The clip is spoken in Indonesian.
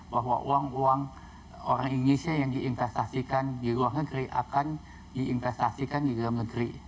bahwa uang uang orang indonesia yang diinvestasikan di luar negeri akan diinvestasikan di dalam negeri